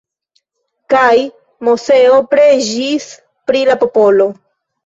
Kaj Moseo preĝis pri la popolo.